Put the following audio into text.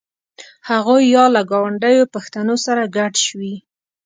هغوی یا له ګاونډیو پښتنو سره ګډ شوي.